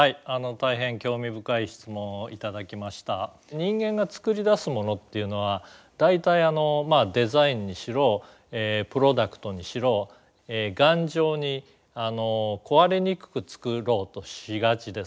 人間が作り出すものっていうのは大体デザインにしろプロダクトにしろ頑丈に壊れにくく作ろうとしがちです。